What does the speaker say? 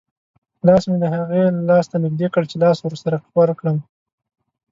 لاس مې د هغې لاس ته نږدې کړ چې لاس ورسره ورکړم.